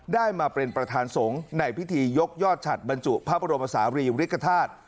ได้มาเป็นประธานสงฆ์ในพิธียกยอดฉัดบรรจุพระบรมศาลีริกฐาตุ